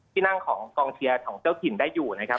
ที่นั่งของกองเชียร์ของเจ้าถิ่นได้อยู่นะครับ